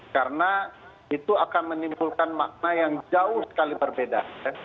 karena itu akan menimbulkan makna yang jauh sekali berbeda